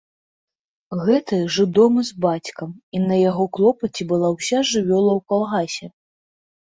Гэты жыў дома з бацькам, і на яго клопаце была ўся жывёла ў калгасе.